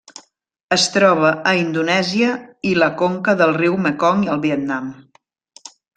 Es troba a Indonèsia i la conca del riu Mekong al Vietnam.